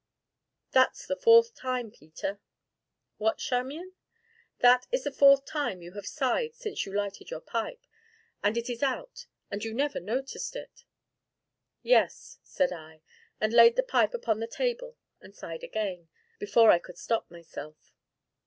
"That is the fourth time, Peter." "What, Charmian?" "That is the fourth time you have sighed since you lighted your pipe, and it is out, and you never noticed it!" "Yes" said I, and laid the pipe upon the table and sighed again, before I could stop myself.